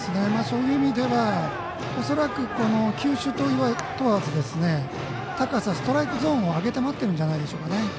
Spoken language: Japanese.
そういう意味では恐らく、球種問わず高さ、ストライクゾーンを上げて待ってるんじゃないでしょうかね。